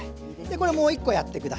これもう１コやってください。